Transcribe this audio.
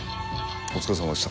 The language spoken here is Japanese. お疲れさまでした。